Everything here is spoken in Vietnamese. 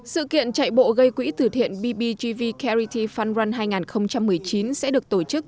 sự kiện chạy bộ gây quỹ từ thiện bbgv carrity fund run hai nghìn một mươi chín sẽ được tổ chức